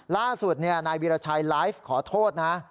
ล่าสุดนายวีรชัยไลฟ์ขอโทษนะ